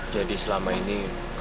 jadi selama ini